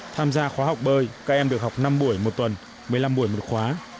tham gia khóa học bơi các em được học năm buổi một tuần một mươi năm buổi một khóa